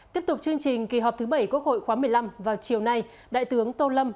tiếp tục chương trình kỳ họp thứ bảy quốc hội khóa một mươi năm vào chiều nay đại tướng tô lâm